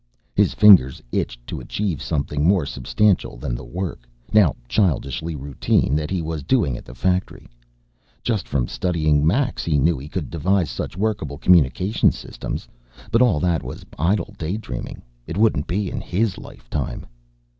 His fingers itched to achieve something more substantial than the work, now childishly routine, that he was doing at the factory. Just from studying Max he knew he could devise such workable communication systems. But all that was idle daydreaming it wouldn't be in his lifetime.